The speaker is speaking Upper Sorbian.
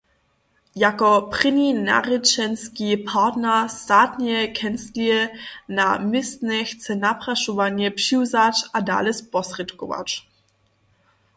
Jako prěni narěčenski partner statneje kenclije na městnje chce naprašowanja přiwzać a dale sposrědkować.